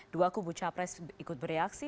dua kubu capres ikut bereaksi